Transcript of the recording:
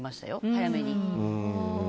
早めに。